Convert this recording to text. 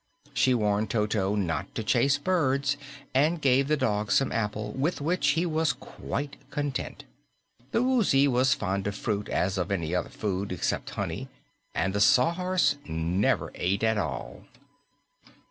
She warned Toto not to chase birds and gave the dog some apple, with which he was quite content. The Woozy was as fond of fruit as of any other food except honey, and the Sawhorse never ate at all.